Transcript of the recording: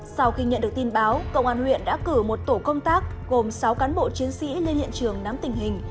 sau khi nhận được tin báo công an huyện đã cử một tổ công tác gồm sáu cán bộ chiến sĩ lên hiện trường nắm tình hình